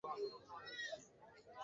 কিন্তু ওখানে একটা সিংহ খুঁজে পাবি না?